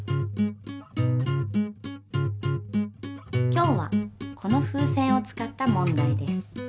今日はこの風船を使った問題です。